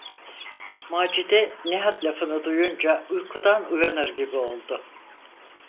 Macide, Nihat lafını duyunca uykudan uyanır gibi oldu…